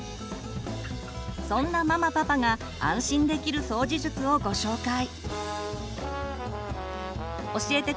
そんなママパパが安心できる掃除術をご紹介。